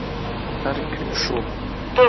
— Har kun shu!